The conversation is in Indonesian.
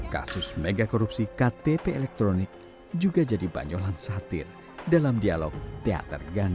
kasus megakorupsi ktp elektronik juga jadi banyolan satir dalam dialog teater gantri